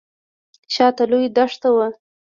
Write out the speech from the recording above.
شاته لوی دښت و.